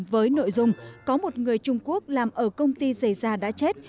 với nội dung có một người trung quốc làm ở công ty dày da đã chết